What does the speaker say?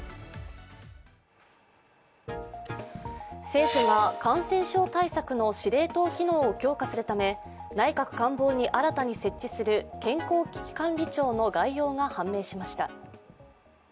政府は感染症対策の司令塔機能を強化するため内閣官房に新たに設置する健康危機管理庁の概要が判明しました。